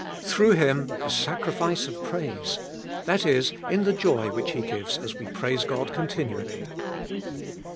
2. Through Him a sacrifice of praise : that is, in the joy which He gives we praise Ccd continually.